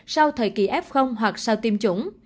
sau thời kỳ f hoặc sau tiêm chủng